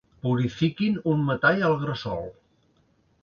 Purifiquin un metall al gresol.